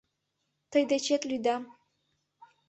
Тый дечет лӱдам...